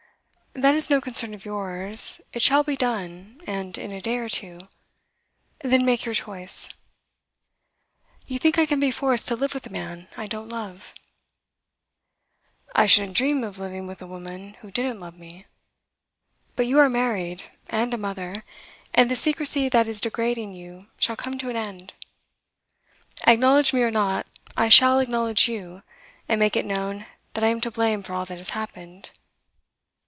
'That is no concern of yours. It shall be done, and in a day or two. Then make your choice.' 'You think I can be forced to live with a man I don't love?' 'I shouldn't dream of living with a woman who didn't love me. But you are married, and a mother, and the secrecy that is degrading you shall come to an end. Acknowledge me or not, I shall acknowledge you, and make it known that I am to blame for all that has happened.